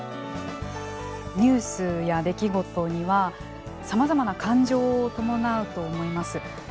ニュースや出来事にはさまざまな感情を伴うと思います。